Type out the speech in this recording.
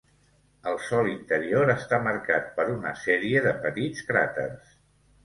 El sòl interior està marcat per una sèrie de petits cràters.